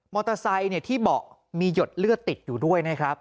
มอเตอร์ไซด์ที่เบาะมีหยดเลือดติดอยู่ด้วย